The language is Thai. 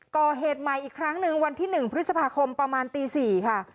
ก่อเหตุใหม่อีกครั้งหนึ่งวันที่๑พฤษภาคมประมาณตี๔ค่ะ